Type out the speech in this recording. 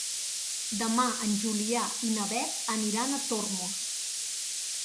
Demà en Julià i na Beth aniran a Tormos.